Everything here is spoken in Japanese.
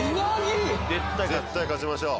絶対勝ちましょう！